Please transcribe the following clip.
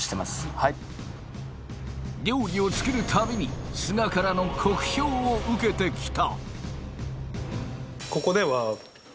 はい料理を作るたびに須賀からの酷評を受けてきた